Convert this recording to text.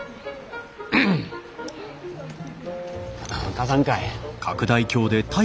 貸さんかい。